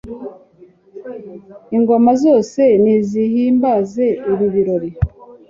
ingoma zose nizihimbaze ibi birori